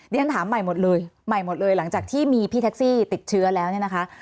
เดี๋ยวฉันถามใหม่หมดเลยหลังจากที่มีพี่แท็กซี่ติดเชื้อแล้วนะคะ